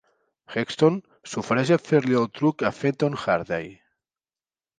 Hexton s'ofereix a fer-li el truc a Fenton Hardy.